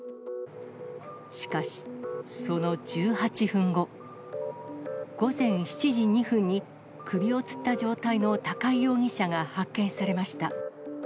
しかし、その１８分後、午前７時２分に、首をつった状態の高井容疑者が発見されました。